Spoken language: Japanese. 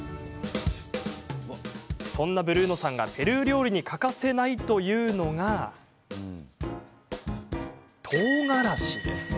そんなブルーノさんがペルー料理に欠かせないというのがとうがらしです。